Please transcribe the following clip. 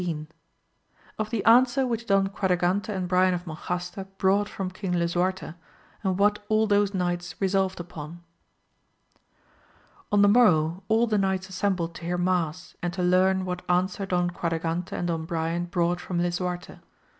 — Of the answer which Don Quadragante and Brian of Monjaste brought £rom Eong Lisuarte, and what all those knights resolved upon. |N the morrow all the knights assembled to hear mass and to learn what answer Don Quadragante and Don Brian brought from Lisuarte.